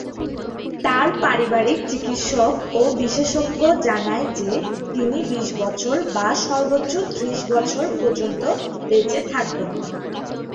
তার পারিবারিক চিকিৎসক ও বিশেষজ্ঞ জানায় যে তিনি বিশ বছর বা সর্বোচ্চ ত্রিশ বছর পর্যন্ত বেঁচে থাকবেন।